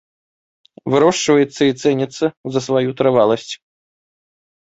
Вырошчваецца і цэніцца за сваю трываласць.